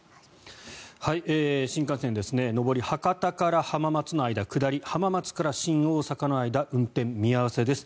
新幹線、上り博多から浜松の間下り、浜松から新大阪の間運転見合わせです。